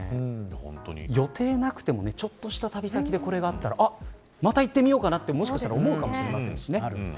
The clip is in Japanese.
予定がなくてもちょっとした旅先でこれがあったらまた行ってみようかなともしかしたら思うかもしれませんしね。